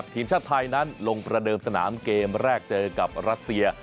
ทีมชาติไทยนั้นลงประเดิมสนามเกมแรกเจอกับรัสเซีย